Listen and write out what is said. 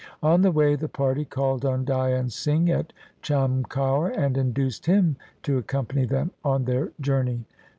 On the way the party called on Dhyan Singh at Cham kaur and induced him to accompany them on their journey.